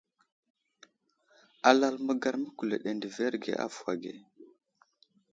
Alal məgar məkuleɗ adəverge avuhw age.